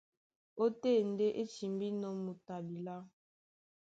Ótên ndé á timbínɔ́ moto a bilá.